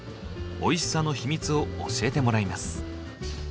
おいしさのヒミツを教えてもらいます。